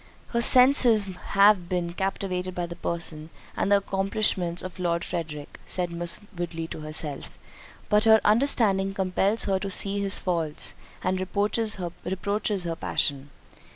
"Her senses have been captivated by the person and accomplishments of Lord Frederick," said Miss Woodley to herself, "but her understanding compels her to see his faults, and reproaches her passion.